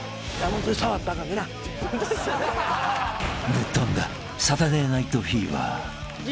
［ぶっ飛んだサタデーナイトフィーバー］